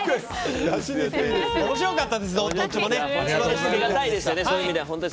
おもしろかったです、どっちもね。